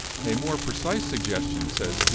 "A more precise suggestion," says T.